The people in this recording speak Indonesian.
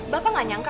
bapak tidak nyangka